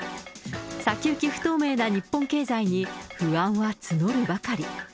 先行き不透明な日本経済に、不安は募るばかり。